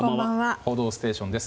「報道ステーション」です。